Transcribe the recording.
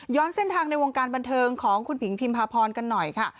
เส้นทางในวงการบันเทิงของคุณผิงพิมพาพรกันหน่อยค่ะ